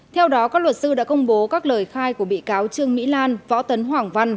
theo đó các luật sư đã công bố các lời khai của bị cáo trương mỹ lan võ tấn hoàng văn